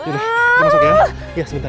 masuk ya sebentar sebentar